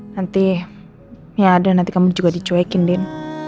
nanti ya ada nanti kamu juga dicuekin din